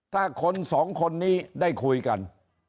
ถ้าคนสองคนนี้ได้คุยกัน